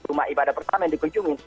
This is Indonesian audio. rumah ibadah pertama yang dikunjungi